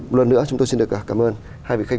một lần nữa chúng tôi xin được cảm ơn hai vị khách